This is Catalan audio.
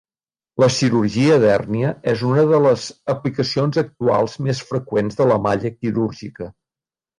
La cirurgia d'hèrnia és una de les aplicacions actuals més freqüents de la malla quirúrgica.